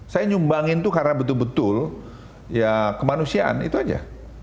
saya nyumbangin itu karena betul betul ya kemanusiaan itu aja